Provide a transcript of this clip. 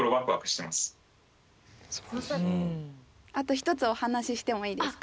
一つお話ししてもいいですか？